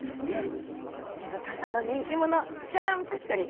水族館さんの人気者ジャンプしたり。